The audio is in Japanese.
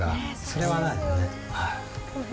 それはないですね。